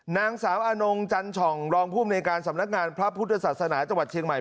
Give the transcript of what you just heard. นางสาวอนงจันฉ่องรองภูมิในการสำนักงานพระพุทธศาสนาจังหวัดเชียงใหม่